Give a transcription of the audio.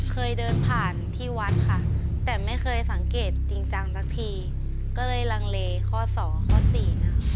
เคยเดินผ่านที่วัดค่ะแต่ไม่เคยสังเกตจริงจังสักทีก็เลยลังเลข้อสองข้อสี่ค่ะ